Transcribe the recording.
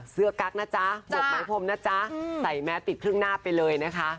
กั๊กนะจ๊ะหมวกไม้พรมนะจ๊ะใส่แมสปิดครึ่งหน้าไปเลยนะคะ